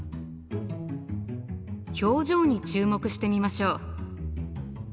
表情に注目してみましょう。